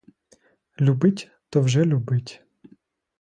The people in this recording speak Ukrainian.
Любить, то вже любить.